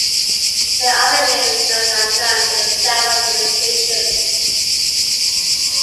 They are the names that are known to the Java application.